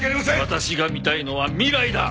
私が見たいのは未来だ！